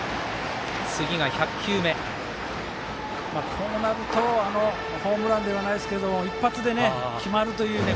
こうなるとホームランではないですけど一発で決まるというね。